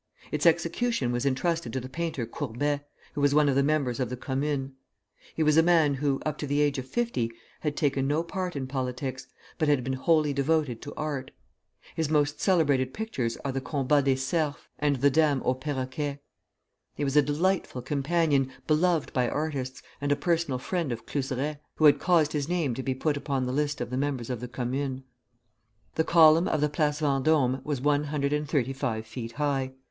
Its execution was intrusted to the painter Courbet, who was one of the members of the Commune. He was a man who, up to the age of fifty, had taken no part in politics, but had been wholly devoted to art. His most celebrated pictures are the "Combat des Cerfs" and the "Dame au Perroquet." He was a delightful companion, beloved by artists, and a personal friend of Cluseret, who had caused his name to be put upon the list of the members of the Commune. The column of the Place Vendôme was one hundred and thirty five feet high.